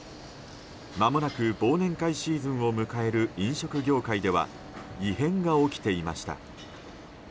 まもなく忘年会シーズンを迎える飲食業界では異変が起きていました。